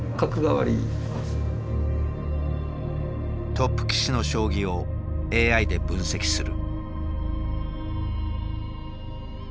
トップ棋士の将棋をＡＩで分析する。